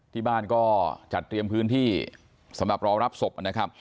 ที่บ้านก็จัดเตรียมพื้นที่สำหรับรอรับศพนะครับ